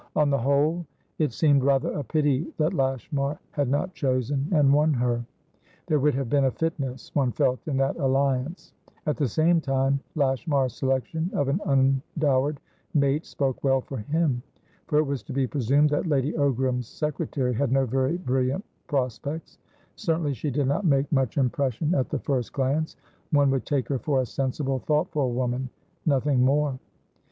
On the whole, it seemed rather a pity that Lashmar had not chosen and won her; there would have been a fitness, one felt, in that alliance. At the same time, Lashmar's selection of an undowered mate spoke well for him. For it was to be presumed that Lady Ogram's secretary had no very brilliant prospects. Certainly she did not make much impression at the first glance; one would take her for a sensible, thoughtful woman, nothing more.